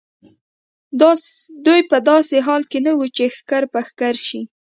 دوی په داسې حالت کې نه وو چې ښکر په ښکر شي.